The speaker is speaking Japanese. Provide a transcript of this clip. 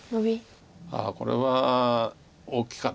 ああこれは大きかった。